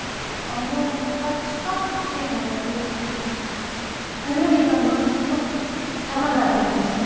あの八角形の容器をくるりと回すと玉が出るんですね。